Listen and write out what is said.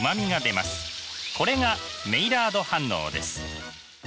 これがメイラード反応です。